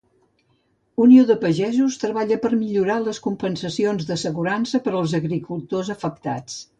Unió de Pagesos treballa per millorar les compensacions d'assegurança per als agricultors afectats.